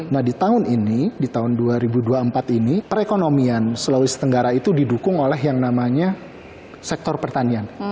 nah di tahun ini di tahun dua ribu dua puluh empat ini perekonomian sulawesi tenggara itu didukung oleh yang namanya sektor pertanian